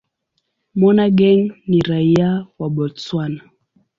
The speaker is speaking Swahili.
Monageng ni raia wa Botswana.